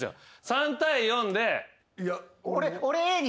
３対４で。